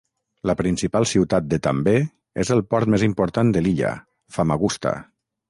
La principal ciutat de també és el port més important de l'illa, Famagusta.